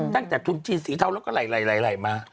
ตั้งจากชุนชีสหรีเทาแล้วก็ไหลมา